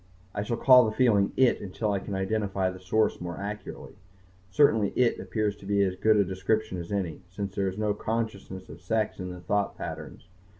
I shall call the feeling "it" until I can identify the source more accurately. Certainly "it" appears to be as good a description as any, since there is no consciousness of sex in the thought patterns.